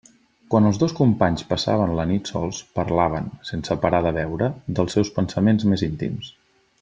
Quan els dos companys passaven la nit sols, parlaven, sense parar de beure, dels seus pensaments més íntims.